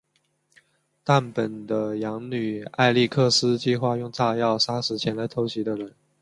但本的养女艾莉克斯计划用炸药杀死前来偷袭的人。